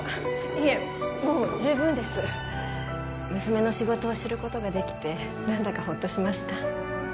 いえもう十分です娘の仕事を知ることができて何だかホッとしました